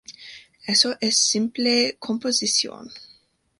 Eso es simple composición.